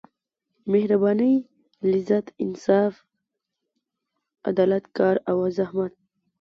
مهربانۍ لذت انصاف عدالت کار او زحمت.